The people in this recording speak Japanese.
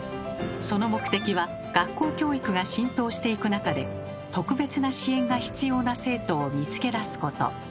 その目的は学校教育が浸透していく中で特別な支援が必要な生徒を見つけ出すこと。